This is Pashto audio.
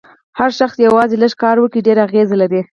هر شخص یوازې لږ کار وکړي ډېر اغېز لري.